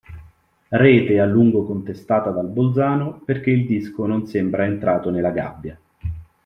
Rete a lungo contestata dal Bolzano perché il disco non sembra entrato nella gabbia.